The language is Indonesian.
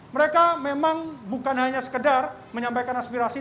mereka memang bukan hanya sekedar menyampaikan aspirasi